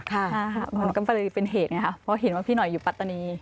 ค่ะมันก็เลยเป็นเหตุไงค่ะเพราะเห็นว่าพี่หน่อยอยู่ปัตตานี